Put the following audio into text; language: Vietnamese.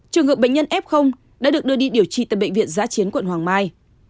trường hợp bệnh nhân f đã được đưa đi điều trị tại bệnh viện giã chiến quận hoàng mai